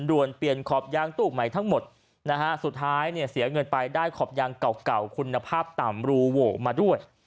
ด่วนเปลี่ยนขอบยางตู้ใหม่ทั้งหมดนะฮะสุดท้ายเนี่ยเสียเงินไปได้ขอบยางเก่าคุณภาพต่ำรูโหวมาด้วย